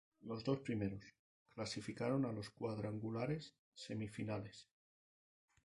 Los dos primeros clasificaron a los cuadrangulares semifinales.